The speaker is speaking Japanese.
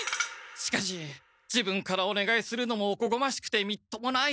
しかし自分からおねがいするのもおこがましくてみっともない。